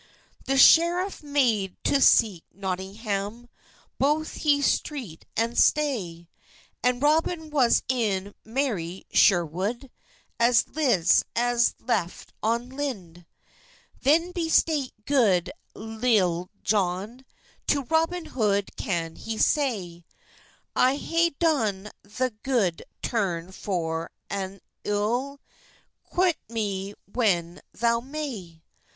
The scheref made to seke Notyngham, Bothe be strete and stye, And Robyn was in mery Scherwode As lizt as lef on lynde. Then bespake gode Litulle Johne, To Robyn Hode can he say, "I haue done the a gode turne for an euylle, Quyte me whan thou may.